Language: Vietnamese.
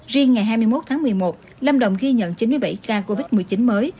riêng ngày hai mươi một tháng một mươi một lâm đồng ghi nhận chín mươi bảy ca covid một mươi chín mới